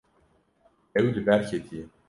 Ew li ber ketiye.